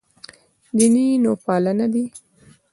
دیني نوپالنه دی.